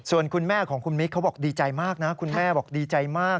ส่วนคุณแม่ของคุณมิคเขาบอกดีใจมากนะ